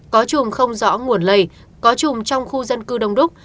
có chùm không rõ nguồn lây có chùm trong khu dân cư đông đúc